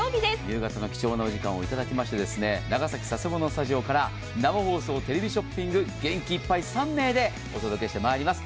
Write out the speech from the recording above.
夕方の貴重なお時間をいただきまして長崎県佐世保市のスタジオから生放送、テレビショッピング、元気いっぱい３名でお届けしてまいります。